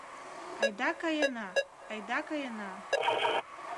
Айда каена, айда каена